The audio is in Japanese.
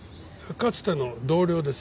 かつての同僚です。